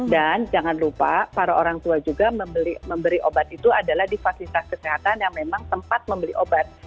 dan jangan lupa para orang tua juga memberi obat itu adalah di fasilitas kesehatan yang memang tempat membeli obat